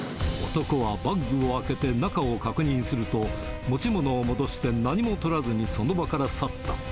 男はバッグを開けて中を確認すると、持ち物を戻して何もとらずにその場から去った。